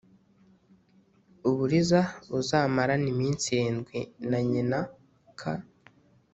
uburiza buzamarane iminsi irindwi na nyina k